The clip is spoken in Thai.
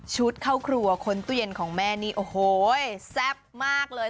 เข้าครัวค้นตู้เย็นของแม่นี่โอ้โหแซ่บมากเลย